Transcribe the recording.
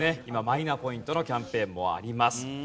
今マイナポイントのキャンペーンもあります。